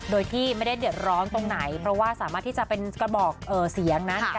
โดยที่ไม่ได้เดือดร้อนตรงไหนเพราะว่าสามารถที่จะเป็นกระบอกเสียงนั้น